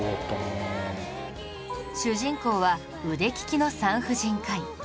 主人公は腕利きの産婦人科医